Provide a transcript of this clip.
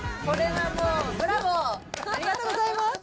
ありがとうございます。